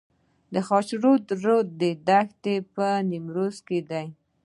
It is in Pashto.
د خاشرود دښتې په نیمروز کې دي